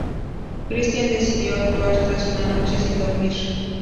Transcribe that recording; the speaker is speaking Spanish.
Christian decidió actuar tras una noche sin dormir.